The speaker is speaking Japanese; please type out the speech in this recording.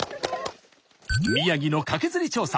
宮城のカケズリ調査